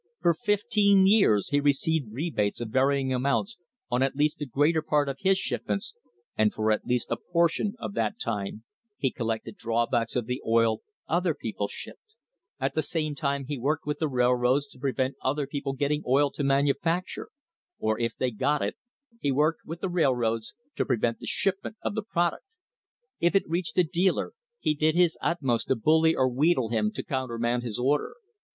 For fifteen years he received rebates of varying amounts on at least the CONCLUSION greater part of his shipments, and for at least a portion of that time he collected drawbacks of the oil other people shipped; at the same time he worked with the railroads to prevent other people getting oil to manufacture, or if they got it he worked with the railroads to prevent the shipment of the prod uct. If it reached a dealer, he did his utmost to bully or wheedle him to countermand his order.